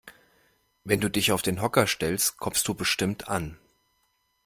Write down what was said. Wenn du dich auf den Hocker stellst, kommst du bestimmt an.